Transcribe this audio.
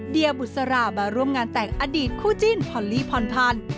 เดียบุษรามาร่วมงานแต่งอดีตคู่จิ้นพอลลี่พรพันธ์